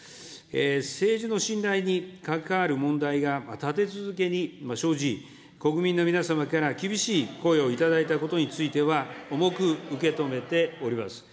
政治の信頼に関わる問題が立て続けに生じ、国民の皆様から厳しい声を頂いたことについては、重く受け止めております。